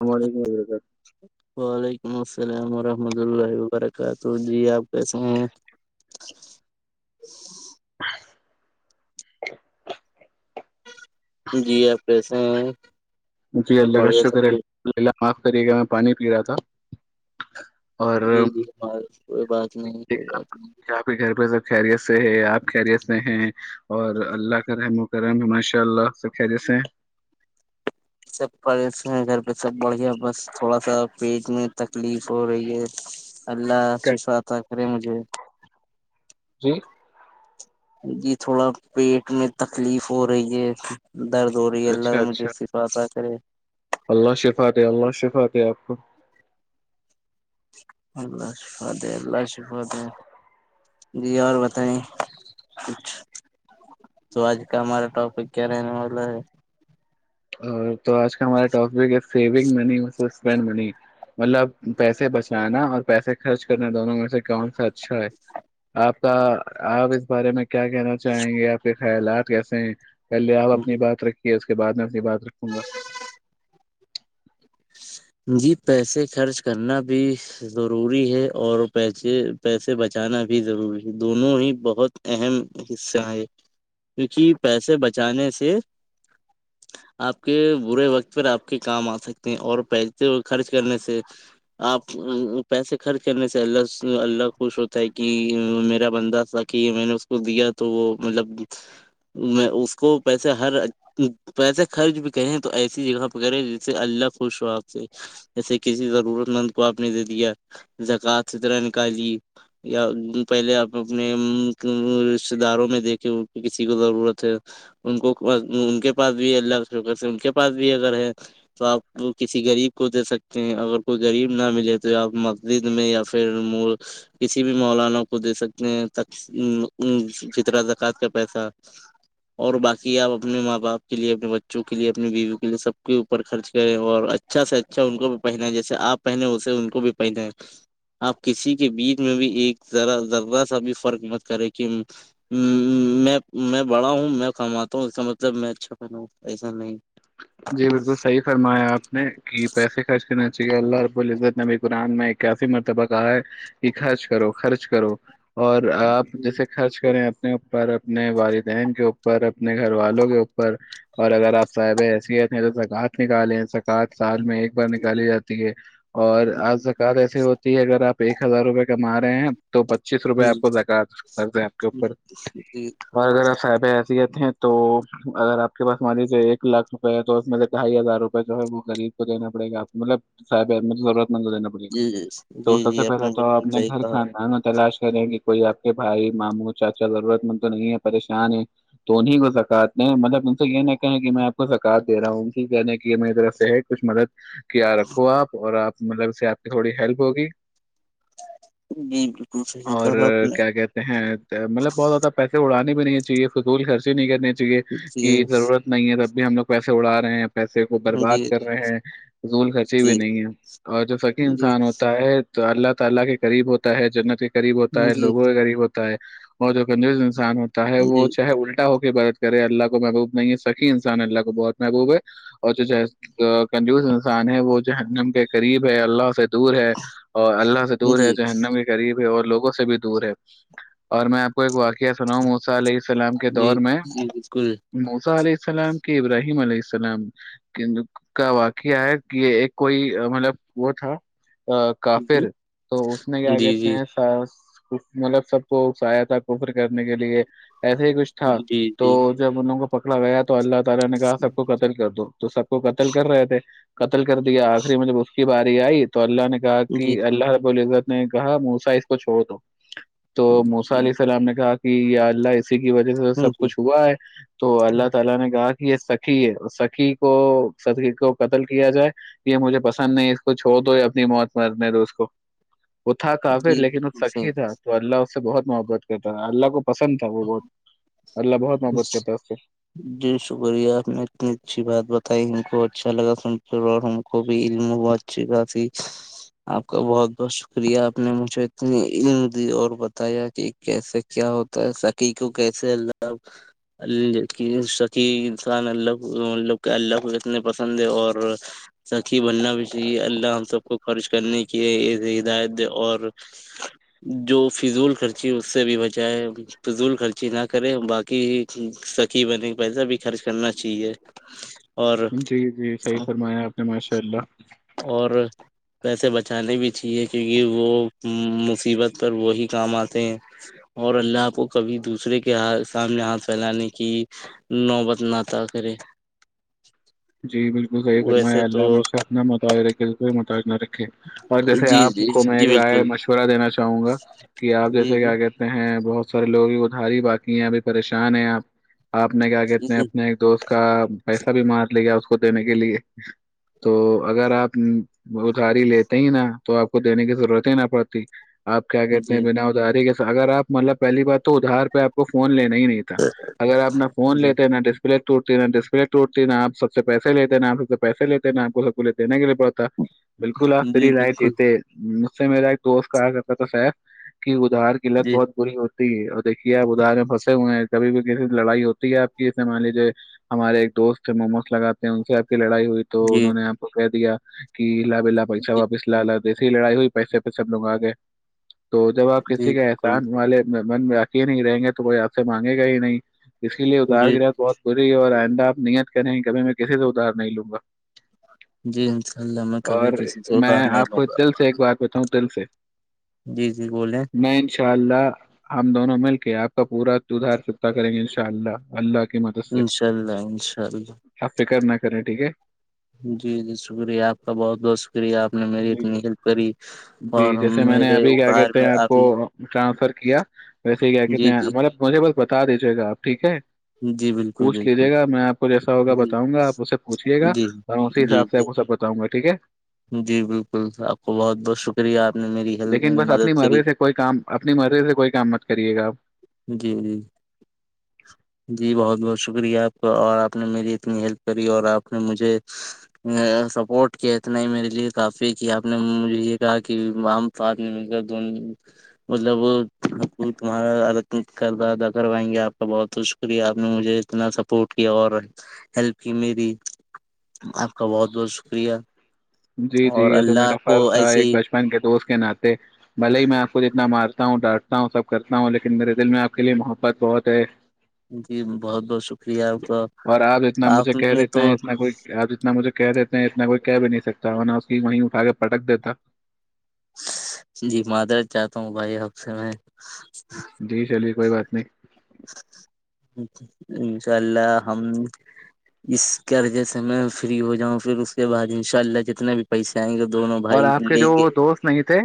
ہم علیکم حضرتر ممئے ہم رحمد اللہ پار کا تو جی آپ کیسے ہیں [unintelligible] [unintelligible] جی آپس ہ ج جی الگ شگر معاف کری گ میں پانی پی رہا تھا اور جی جی ب [unintelligible] کوئی بات نہیں کوئی بات نہیں [unintelligible] آپ کے گھر پہ سب خیریت سے ہے آپ خیریت سے ہیں اور اللہ کا رحم و کرم ہے ماشاء اللہ سے خیریت ہیں [unintelligible] سب پش ہیں گھر پہ سب بڑھیا بس تھوڑا سا پیٹ میں تکلیف ہو رہی ہے اللہ ہیں ششوطا کرے مجھے [unintelligible] جی جی تھوڑا پیٹ میں تکلیف ہو رہی ہے درد ہووری ال اچھا مجھے اچھا سفات تھا سر [unintelligible] اللہ شفات اللہ شفات آپ کو اللہ شفاد ہے اللہ شفاد جی اور بتائییں کچھ تو آج کا ہمارا ٹاپک کیا رہنے والا ہے [unintelligible] ہ [unintelligible] تو آج کا ہمارا ٹاپک ہے سیونگ منی وس [unintelligible] منی مطلب پیسے بچانا اور پیسے خرچ کرنا دونوں میں سے کون سا اچھا ہے آپ کا آپ اس بارے میں [unintelligible] کیا کہنا چاہیں گے آپ کے خیالات کیسے ہیں پہلے آپ ہے اپنی بات رکھیے [unintelligible] بع میں [unintelligible] ب بعات رکھوں گا [unintelligible] جی پیسے خرچ کرنا بھی ضروری ہے اور پیسے پیسے بچانا بھی ضروری ہے دونوں ہی بہت اہم حصہ ہیں کیونکہ پیسے بچانے سے آپ کے برے وقت پر آپ کے کام آ سکتے ہیں اور پ خرچ کرنے سے آپ پیسے خرچ کرنے سے اللہ اللہ خوش ہوتا ہے کہ میرا بندا تھا کہ یہ میں نے اس کو دیا تو وہ مطلب میں اس کو پیسے ہر پیسے خرچ بھی کریں تو ایسی جگہ پہ کرے جس سے اللہ خوش ہو آپ سے [unintelligible] [unintelligible] [unintelligible] اچھا ان کو بھی پہن ہے جیسے آپ پہنے وسے ان کو بھی پہنیں آپ کسی کے بیچ میں بھی ایک ذرا ذرہ سا بھی فرق مت کرے کہ میں میں بڑا ہوں میں کماتا ہوں اس کا مطلب میں اچھا پہناؤں ایسا نہیں جی بالکل صحیح فرمایں آپ نہیں کہ پیسے خرچ کرنا چاہیے اللہ رب العزت نے ابھی قرآن میں ایک ایسی مرتبہ کہا ہے کہ خرچ کرو خرچ کرو [unintelligible] اور آپ جی جیسے خرچ کریں اپنے اوپر [unintelligible] اپنے والدین کے اوپر اپنے گھر والوں کے اوپر اور اگر [unintelligible] صاحب ایسی ہےت نہیں تو س [unintelligible] رات نکالے ہیں ساات [unintelligible] سال میں ایک بار جی نکالی جاتی ہے اور آج زکوات ایسی ہوتی ہے اگر آپ [unintelligible] ایک ہزار روپئے کما رہے ہیں [unintelligible] تو پچیس روپے آپ کو زکا د آپ کے اوپر اور اگر آب [unintelligible] یت ہیں تو اگر آپ کے پاس ہماری سے ایک [unintelligible] لاکھ روپئے تو اس میں سے ڈھائی ہزار روپئے جو ہے وہ غریب کوینا پڑے گاپ مطلباب ضرورت [unintelligible] مینا پڑ گ جی تو جی سب سے جی آپ پہلے نے تو بالکل اپنے صحیح گھر کہا کھانا ہے نا تلاش [unintelligible] کہ کوئی آپ کے بھائی ماموں چاچا ضرورت مند تو نہیں ہے پریشان ہے تو انہیں کو زکات مطلب [unintelligible] سگے ن کہیں گ میں [unintelligible] مقات دے رہا ہوں انی کہنے کہ یہ میری طرف سے ہے کچھ مدد کیا رکھو آپ اور آپ مطلب اس سے آپ کی تھوڑی ہیلپ ہوگی جی بالکل صحیح اور کہا آپ نے کیا کہتے ہیں مطلب بہت زیادہ پیسے اڑانے ب چاہیے فکول خرچ بھی نہیں کرنے جے کہ جی ضرورت نہیں ہے رب بھی ہم لوگ پیسے اڑا رہے ہیں پیسے کو برباد جی جی کر رہے ہیں زول کھنسیی بھی نہیں ہے اور جو سکی جی انسان ہوتا ہے اللہ تعالی کے قریب ہوتا ہے جنت غریب ہوتا ہے جی لوگوں ریب ہوتا ہے اور جوی نان ہوتا ہے وہ جی چاہے الٹا ہو کے بر کرے اللہ کو محبوب نہیں ہے سکین سے انسان اللہ کو بہت محبوب ہے اور جو کنجوز انسان ہے وہ جو نم کے قریب ہے اللہ سے دور ہے اور اللہ سے دور ہے جی جو ہنم کے قریب ہے اور لوگ سے بھی دور ہے اور میں آپ کو ایک واقع کیا سناؤ موسا علیہ السلام کے جی دور میں جی بالکل موسا علیہ السلام کہ ابراہیم علیہ السلام کا واقعہ ہے کہ یہ ایک کوئی مطلب وہ تھا جی کافر تو اس میں کیا جی کہتے جی ہیں مطلب سب کو سایا تھا کوفر کرنے کے لیے ایسے ہی کچھ تھا جی جی تو جی جب انوں کو پکڑا گیا تو اللہ نے کہا سب کو کطل کر دووں تو سب کو قتل کر رہے تھے قتل کر دیا آخری میں جب اس کی باری آئی تو اللہ نے باقی جی اللہ بوولے نے کہا موسا اس کو چھوڑ دو تو موسا جی علیہ السلام نے کہا ج ال کی وجہ سے سب کچھ ہوا ہے تو اللہ تعالی نے کہا یہ سکی ہے سکی کو سی کو قتل کیا جائے یہ مجھے پسند نہیں اس کو چھوڑ دو اپنی موت مرنے دو اس کو وہ تھا کافر جی لیکن وہ بالکل سکی صحیح تھا تو اللہ اس سے بہت محبت کرتا تھا اللہ کو کو پسند تھا وہ بہت اللہ بہت محبت کرتا اس سے جی شکریہ آپ نے اتنی اچھی بات بتائی ان کو اچھا لگا سن کر اور ہم کو بھی علم بہت اچھی خاصی آپ کا بہت بہت شکریہ آپ نے مجھے اتنی علم دی اور بتایا کہ کیسے کیا ہوتا ہے سکی کو کیس ج سے اللہ ال سکی انسان اللہ مب کے اللہ کو اتنے پسند ہے اور سکی بننا بھی جی اللہ ہم سب کو خرچ کرنے کی ہدایت دے اور جو فضول خرچی اس سے بھی بچائے فضول خرچی کرے باقی سکی بنے پیسہ بھی خرچ کرنا چاہیے اور جی جی صحیح فرمایا آپ نے ماشاء اللہ اور پیسے بچ جانے بھی چاہیے کیونکہ وہ مصیبت پر وہی کام آتے ہیں اور اللہ کو کبھی دوسرے دوسرے کے سامنے ہاتھ پھیلانے کی نوبت نتاا کرے جی بالکل صحیح فرما ہے ویسے تو اللہش اپنا متر ر توارے اور جیسے جی آپ جی کو میں جی ایک رائے بالکل مشورہ دینا چاہوں گا کہ آپ جی جیسے جی کیا کہتے ہیں بہت سارے لوگ ادھاری ہی باقی ہیں ابھی پریشان ہیں آپ آپ نے کیا کہتے ہیں جی اپنے ایک دوست کا پیسہ بھی مار اس کو دینے کے لیے تو اگر آپ ادھاری لیتے ہی نا تو آپ کو دینے کی ضرورت ہی نہ پڑتی آپ کیا کہتے ہیں جی بنا اتاری کے اگر آپ مطلب پہلی بات تو ادار پہ آپ کو فون لنے نہیں نہیں تھا اگر آپ نہ فون جی لیتے نہ ڈسپلے توٹتی نا ڈسپلے توٹتی نپ سب سے پیسے لیتے ن آپ سب سے پیسے لیتے ہیںا آپ کو سب کو لیے دینے کے لیےڑتا بالکل آپ جی فری لئے تھ بالکل تھے سے میرا ایک دوست کہا کرتا تھا ساب ادھار کی لت جی بہت بری ہوتی ہے اور دیکھیے آپ ادار میں پھنسے ہوئے ہیں کبھی بھی کسی لڑائی ہوتی ہے آپ کی مان لیجیے ہمارے ایک دوست ہے م لگاتے ہیں ان سے کی لڑائی ہوئی تو جی انہوں نے آپ کو کہہ دیا کہ لالا پیس جی واپس لا جسی لڑائی ہوئی پیسے پہ سب لوگ آگے تو جب آپ کسی جی کے بالکل احسان والے من میں رکے ہی نہیں رہیں گے تو وہ ہاتھ سے مانگے گا ہی نہیں اس کے لیے ادہار جی کیرد بہت بری ہے اور آئ آپ نیت کریں گے کبھی میں کسی سے اتار نہیں لوں گا جی انشاء اللہ میں کبھی اور کسی سے میں ادار نہیں آپ لوں کو گا دل سے ایک بات بتاؤں دل سے جی جی بولےیں ان شاء اللہ ہم دونوں مل کے آپ کا پورا تدھار کتتا کریں گے انشاء اللہ اللہ کی مدد سے انشاء اللہ انشاء اللہ فکر نہ کریں ٹھیک ہے جی جی شکریہ آپ کا بہت بہت شکریہ آپ نے میری جی اتنی ہیلپ کری اور جی جیسے میں نے میرے ابھی کیا ادھار کہتے میں ہیں آپ نے کو ٹرانسفر کیا [unintelligible] ویسے کیا کتنے جی ہیں جی مطلبجھے بول بتا دیجیے گا آپ ٹھیک ہے جی بالکل پوچھ بالکل لیجے گا میں آپ کو جیسا ہوگا ب جی بتاؤںاپ اس سے پوچھیے گا جی اسی جی حساب سے جی آپے بتاؤں گا کہ ٹھیک ہے جی بالکل آپ کو بہت بہت شکریہ آپ نے میری ہیلپ لیکن بس اپنی مدد کری مرضی سے کوئی کام اپنی مرضی سے کوئی کام مت کریے گا آپ جی جی جی بہت بہت شکریہ آپ کا اور آپ نے میری اتنی ہیلپ کری اور آپ نے مجھے سپورٹ کیا اتنا ہی میرے لیے کافی کہ آپ نے مجھے یہ کہا کہ عام فدمی مل کر دونوں مطلب ح تمہارا کردہ ادا کروائیں گے آپ کا بہت بہت ش شکریہ آپ نے مجھے اتنا سپورٹ کیا اور ہیلپ کی میری آپ کا بہت بہت شکریہ جی جی اور یہ تو اللہ میرا آپ فرض کو تھا ایسے ایک ہی بچپن کے دوست کیانات بھلے ہی میں آپ خ جتنا مار تا ہوں ڈانٹتا ہوں سب کرتا ہوں لیکن میرے دل میںپ کے لیے محبت بہت ہے جی بہت بہت شکریہ آپ کا اور اتنا آپ مجھے کہہ نے دیتے تو ہیں اتنا کوئی آپ جتنا مجھے کہہ دیتے ہیں اتنا کوئی کہہ بھی نہیں سکتا ا اس کی وہیں اٹھا کے پٹک دیتا جی مادرس جاتا ہوں بھائی آپ سے میں جی چلیے کوئی بات نہیں [unintelligible] انشاء اللہ ہم اس قرضے سے میں فری ہو جاؤں پھر اس کے بعد انشاء اللہ جتنے بھی پیسے آئیں گے دونوں اور بھائی آپ کے لیں جو گے دوست نہیں تھے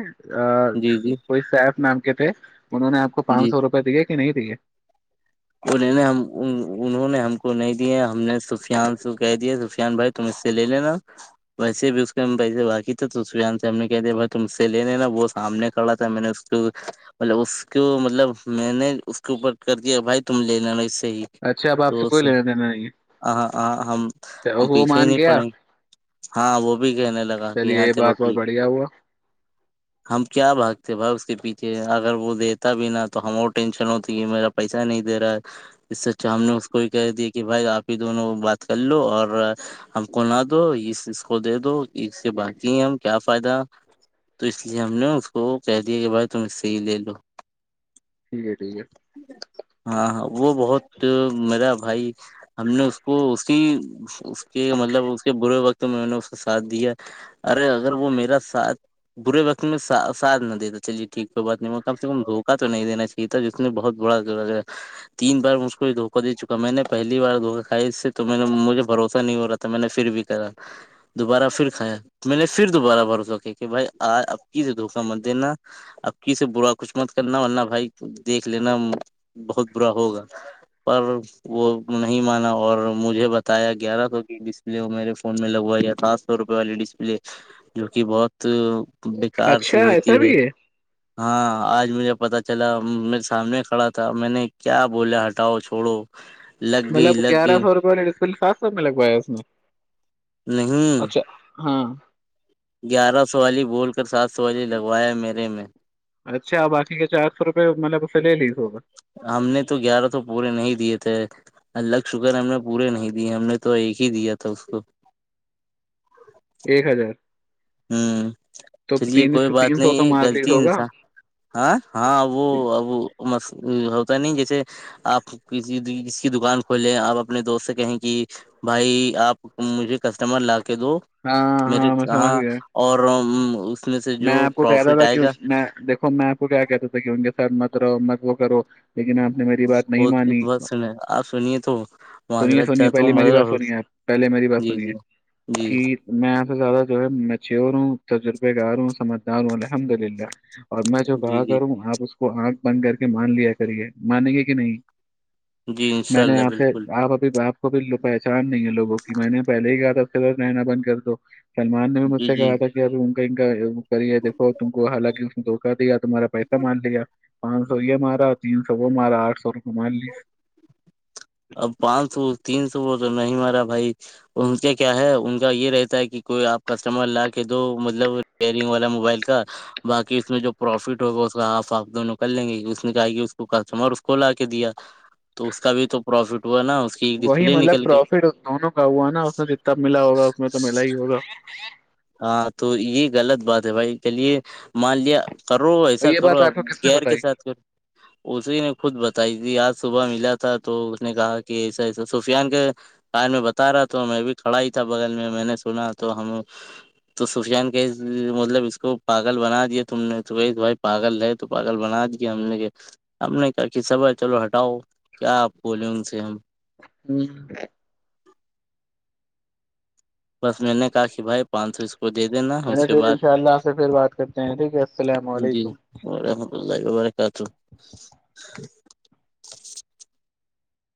جی جی کوئی سیف نام کے تھے انہوں نے آپ کو پانچ سو روپئے دیے کہ نہیں دیے وہ ل ہم انہوں نے ہم کو نہیں دیے ہم نے سفیان سے کہہ دیا سفیان بھائی تم اس سے لے لینا ویسے بھی اس کے پیسے باقی تھے تو سفیان سے ہم نے کہہ دیا بھائی تم سے لے لینا وہ سامنے کھڑا تھا میں نے اس کو مطلب اس کو مطلب میں نے اس کے اوپر کر دیا بھائی تم لےینا اچھا اب آپ تو سے کوئی لینا دینا نہیں ہے اچھا، ہم وہ پیچھے ہی مان نہیں گیا پڑیں ہاں وہ بھی کہنے لگا کہ چلیے ہاں یہ چلو بات بہت ٹھیک بڑھیا ہوا ہم کیا بھاگتے بھائی اس کے پیچھے کہ اگر وہ دیتا بھی نا تو ہم اور ٹینشن ہوتی کہ میرا پیسہ نہیں دے رہا ہے اس سے تو ہم نے اس کو ہی کہہ دیا کہ بھائی آپ پھر دونوں بات کر لو اور ہم کو نہ دو اس اس کو دے دو اس سے باتی ہیں ہم کیا فائدہ تو اس لیے ہم نے اس کو کہہ دیا کہ بھائی تم اس سے ہی لے لو ٹھیک ہے ٹھیک ہے ہاں ہاں وہ بہت میرا بھائی ہم نے اس کو اسی اس کے مطلب اس کے برے وقت میں نے اس کو ساتھ دیا ارے اگر وہ میرا ساتھ برے وقت میں ساتھ نہ دیتا چلیے ٹھیک کوئی بات نہیں کم سے کم دھوکہ تو نہیں دینا چاہیے تھا جس نے بہت برا کیا تین بار مج کو دھوکا دے چکا میں نے پہلی بار دھوکا کھیا اس سے تو میں نے مجھے بھروسہ نہیں ہو رہا تھا میں نے پھر بھی کرا دوبارہ پھر کھایا میں نے پھر دوبارہ بھروسہ کیا کہ بھائی ابکی سے دھوکا مت دینا ابکی سے برا کچھ مت کرنا ورنہ بھائی دیکھ لینا بہت برا ہوگا پر وہ نہیں مانا اور مجھے بتایا گیارہ سو کی ڈسپلے وہ میرے فون میں لگوایا سات سو روپے والی ڈسپلے جو کہ بہت ہے بیکار اچھا سی ہوتی ایسا ہے بھی ہاں آج مجھے پتتا چلا میرے سامنے کھڑا تھا تھا میں نے کیا بول ہٹاؤ چھوڑو لگ گئی مطلب لگ گیارہ گئی سو روپئے لس سا سب میں لگوایا اس میں نہیں ہاں گیارہ سو والی بول کر سات سو والی لگوایا میر نے میں اچھا باقی کے چ آھ سو روپئے مطلب اسے لے لیس ہوگا ہم نے تو گیارہ تو پورے نہیں دیے تھے اللہگ شکر ہم نے پورے نہیں دیے ہم نے تو ایک ہی دیا تھا اس کو ایک ہزار ہوں تو چلیے تین کوئی بات تین سو تو نہیں مار غلط لیس ہوگا انسا ہاں ہاں وہ اب مس پت نہیں جیسے آپ کسی ک کی دکان کھولے آپ اپنے دوست سے کہیں کہ بھائی آپ مجھے کسٹمر لا کہ دو ہاں میرے میں سمجھ ہاں گیا اورم میں آپ کو کہ رہتا تھا کہ میں دیکھو میں آپ کو کیا کہتا تھا کہ ان کے سڈ متر م وہ کر لیکن آپ نے میری بات نہیں مانی بہت سنے آپ سنیے تو سنیے معذرت سنیے چاہتا ہوں پہلے میری مگر بات سنیے آپ پہلے میری بات جی سنیے جی جی کہ میںپ زیادہ جو ہے میں چیور ہوں تجربے کے اروں سمجتار الحمد للہ اور میں جو جی کہا جی کر ہوں آاں کو آنکھ بند کر کے مان لیا کرے مانیں گے کہ نہیں جی انشاء میں نے اللہ یہاں سے بالکل آپ ابھی آپ کب لوپے نہیں ہے لوگوں کی میں نے پہلے ہی کہا تھا کلر رہنا بند کر دو سلمان نے بھی مجھ جی سے جی کہا تھا کہ اب کہیں گ کریے دیکھو تم کو حالانکہ اس دکا دیا تمہارا پیسہ مان لیا پانچ سو یہ مارا اور تین سو وہ مارا آٹھ سو ہم مان لی اب پانچ سو تین سو وہ تو نہیں مارا بھائی ان کے کیا ہے ان کا یہ رہتا ہے کہ کوئی آپ کسٹمر لا کے دو مطلب رپرنگ والا موبائل کا باقی اس میں جو پروفٹ ہوگا اس کا آف آپ دونوں کر لیں گے اس نے کہا کہ اس کو کسٹمر اس کو لا کے دیا تو اس کا بھی تو پر وہی مطلب پروفٹ دونوں کا ہوا نا اس میں جتنا ملا ہوگا اس میں تو ملا ہی ہوگا ہاں تو یہ غلط بات ہے بھائی چلیے مان لیا کرو ایسا یہ کرو بات اب آپ کو کس نے گیر کے بتائی ساتھ کرو اسی نے خود بتائی تھی آج صبح ملا تھا تو اس نے کہا کہ ایسا ایسا سفیان کے کار میں بتا رہا تھا میں بھی کھڑا ہی تھا بغل میں میں نے سنا تو ہم تو سفیان کہ مطلب اس کو پاگل بنا دیا تم نے تو کہ بھائی پاگل ہے تو پاگل بنا دیا ہم نے کہ ہم نے کہا کہ سب ہے چلو ہٹاؤ کیا آپ بولے ان سے ہم ہوں بس میں نے کہا کہ بھائی پانچ سو اس کو دے دینا چ اس کے پھر بعد انشاء اللہ سے پھر بات کرتے ہیں ٹھیک ہے السلام علیکم لگ گ مارے کا تو